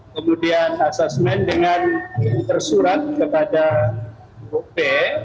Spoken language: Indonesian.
kemudian asesmen dengan tersurat kepada p